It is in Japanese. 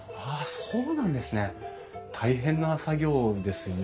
そうなんですよね